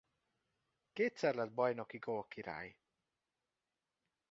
Kétszer lett bajnoki gólkirály.